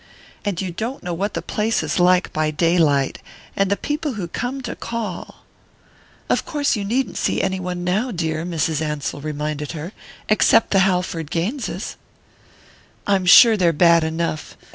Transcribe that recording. "And you don't know what the place is like by daylight and the people who come to call!" "Of course you needn't see any one now, dear," Mrs. Ansell reminded her, "except the Halford Gaineses." "I am sure they're bad enough.